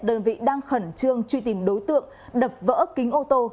đơn vị đang khẩn trương truy tìm đối tượng đập vỡ kính ô tô